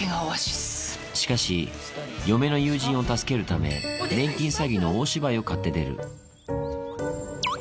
しかし、嫁の友人を助けるため、年金詐欺の大芝居を買って出る。